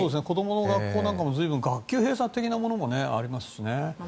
子どもの学校なんかも随分、学級閉鎖的なものもありますしね。